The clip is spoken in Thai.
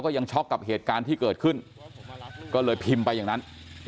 ยังช็อกกับเหตุการณ์ที่เกิดขึ้นก็เลยพิมพ์ไปอย่างนั้น